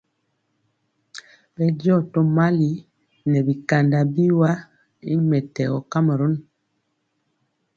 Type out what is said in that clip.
Bɛndiɔ tomali nɛ bikanda biwa y mɛtɛgɔ kamarun.